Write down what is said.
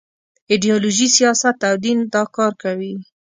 ایډیالوژي، سیاست او دین دا کار کوي.